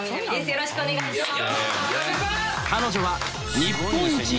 よろしくお願いします。